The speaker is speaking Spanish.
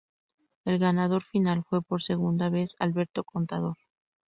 El ganador final fue por segunda vez Alberto Contador.